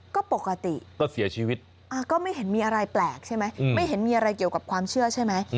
ก็ปกติก็เสียชีวิตก็ไม่เห็นมีอะไรแปลกใช่ไหมไม่เห็นมีอะไรเกี่ยวกับความเชื่อใช่ไหม